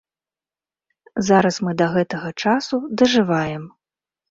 Зараз мы да гэтага часу дажываем.